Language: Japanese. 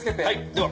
では！